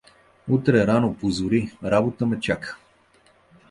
Утре рано, по зори, работа ме чака.